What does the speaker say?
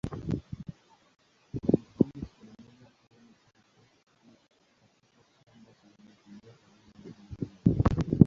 Walifaulu kutengeneza atomi chache tu katika chombo cha nyuklia tarehe moja mwezi wa pili